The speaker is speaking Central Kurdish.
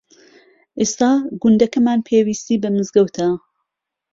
ئێستا گوندەکەمان پێویستی بە مزگەوتە.